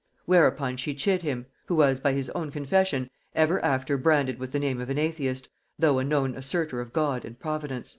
Whereupon she chid him, who was, by his own confession, ever after branded with the name of an atheist, though a known assertor of God and providence."